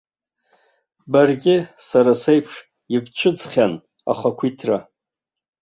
Баргьы, сара сеиԥш, ибцәыӡхьан ахақәиҭра.